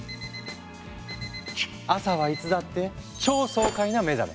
朝はいつだって超爽快な目覚め。